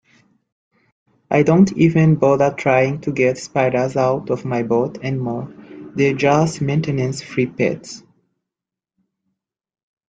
I don't even bother trying to get spiders out of my boat anymore, they're just maintenance-free pets.